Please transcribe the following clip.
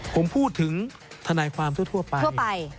ผมพูดถึงธนายความทั่วไป